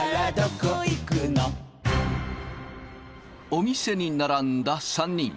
お店に並んだ３人。